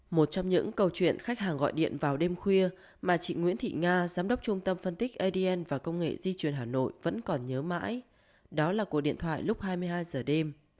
một trong những câu chuyện khách hàng gọi điện vào đêm khuya mà chị nguyễn thị nga giám đốc trung tâm phân tích adn và công nghệ di chuyển hà nội vẫn còn nhớ mãi đó là cuộc điện thoại lúc hai mươi hai giờ đêm